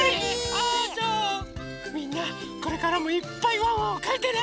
みんなこれからもいっぱいワンワンをかいてね！